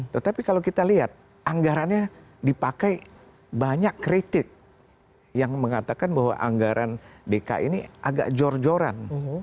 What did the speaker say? tetapi kalau kita lihat anggarannya dipakai banyak kritik yang mengatakan bahwa anggaran dki ini agak jor joran